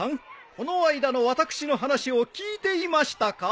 この間の私の話を聞いていましたか？